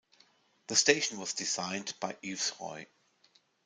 The station was designed by Yves Roy.